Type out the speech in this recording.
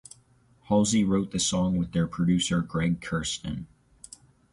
Halsey wrote the song with their producer Greg Kurstin.